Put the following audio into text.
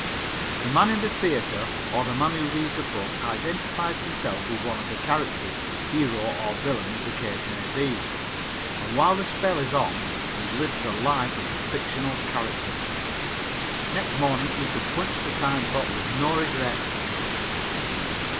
The man in the theater or the man who reads a book identifies himself with one of the characters, hero or villain as the case may be, and while the spell is on he lives the life of the fictional character. Next morning he can punch the time clock with no regrets.